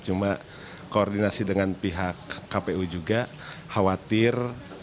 cuma koordinasi dengan pihak kpu juga khawatir